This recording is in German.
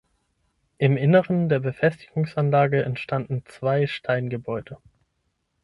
Im Inneren der Befestigungsanlage entstanden zwei Steingebäude.